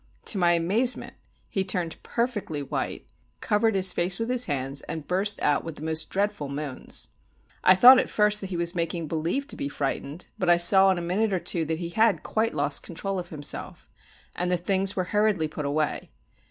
To my amazement, he turned perfectly white, covered his face with his hands, and burst out with the most dreadful moans. I thought at first that he was making believe to be frightened, but I saw in a minute or two that he had quite lost control of himself, and the things were hurriedly put away.